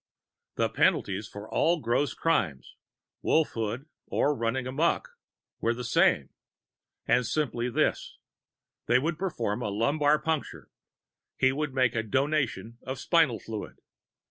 The penalties for all gross crimes Wolfhood or running amok were the same, and simply this: They would perform the Lumbar Puncture. He would make the Donation of Spinal Fluid.